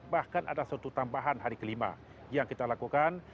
bahkan ada suatu tambahan hari kelima yang kita lakukan